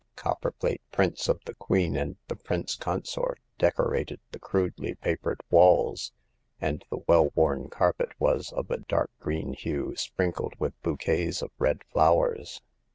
Copperplate prints of the Queen and the Prince Consort decorated the crudely papered walls, and the well worn carpet was of a dark green hue sprinkled with bouquets of red flowers.